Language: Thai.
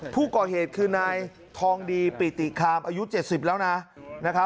ผู้ก่อเหตุคือนายทองดีปิติคามอายุ๗๐แล้วนะ